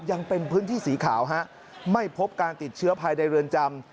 ยังเป็นพื้นที่สีขาวฮะไม่พบการติดเชื้อภายในเรือนจำ